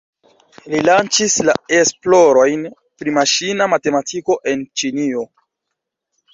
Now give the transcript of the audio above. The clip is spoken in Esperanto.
Li lanĉis la esplorojn pri maŝina matematiko en Ĉinio.